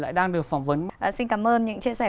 lại đang được phỏng vấn xin cảm ơn những chia sẻ